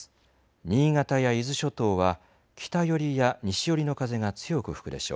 新潟や伊豆諸島は、北寄りや西寄りの風が強く吹くでしょう。